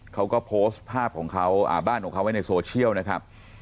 เขาก็โพสต์ภาพของเขาบ้านของเขาไว้ในโซเชียลนะครับ